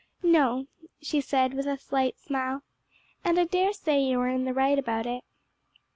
"No," she said, with a slight smile, "and I daresay you are in the right about it."